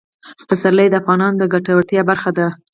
پسرلی د افغانانو د ګټورتیا برخه ده.